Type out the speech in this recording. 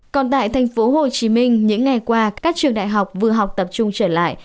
còn tại thành phố hồ chí minh những ngày qua các trường đại học vừa học tập trung trở lại